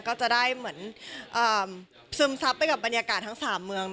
ก็จะได้เหมือนซึมซับไปกับบรรยากาศทั้ง๓เมือง